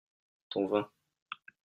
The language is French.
ton vin.